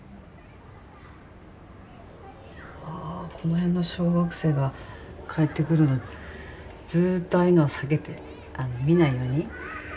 ああこの辺の小学生が帰ってくるのずっとああいうのは避けて見ないように避けてはきてたんですけど。